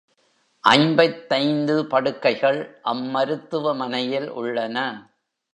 ஐம்பத்தைந்து படுக்கைகள் அம்மருத்துவ மனையில் உள்ளன.